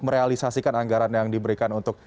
merealisasikan anggaran yang diberikan untuk